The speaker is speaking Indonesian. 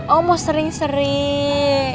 oh mau sering sering